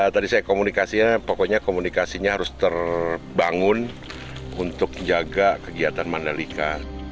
tadi saya komunikasinya pokoknya komunikasinya harus terbangun untuk jaga kegiatan mandalika